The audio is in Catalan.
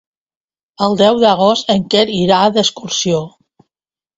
El deu d'agost en Quer irà d'excursió.